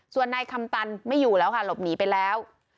ส่วนนายคำตันไม่อยู่แล้วค่ะหลบหนีไปแล้ว